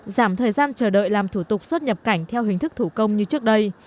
giảm thời gian chờ đợi làm thủ tục xuất nhập cảnh theo hình thức thủ công như trước đây